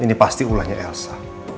ini pasti ulahnya elsa